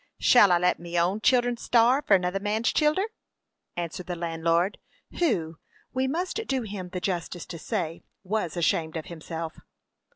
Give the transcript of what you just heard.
"Shall I let me own childer starve for another man's childer?" answered the landlord, who, we must do him the justice to say, was ashamed of himself.